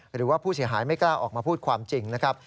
หรือว่าผู้เสียหายไม่กล้าออกมาพูดความจริงนะครับ